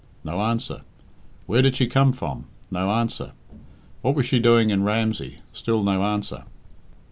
No answer. Where did she come from? No answer. What was she doing in Ramsey? Still no answer.